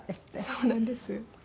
そうなんです。